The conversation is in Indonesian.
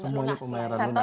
semuanya pembayaran lunas